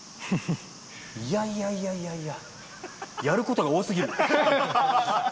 いやいやいや、やることが多すぎる。